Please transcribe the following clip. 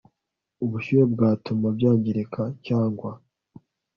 ubushyuhe bwatuma byangirika cyangwa